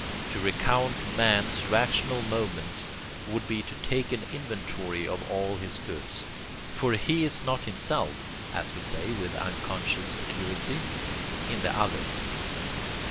To recount man's rational moments would be to take an inventory of all his goods; for he is not himself (as we say with unconscious accuracy) in the others.